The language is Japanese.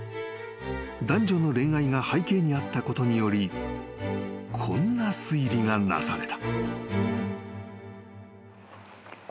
［男女の恋愛が背景にあったことによりこんな推理がなされた］